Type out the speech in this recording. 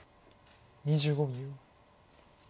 ２５秒。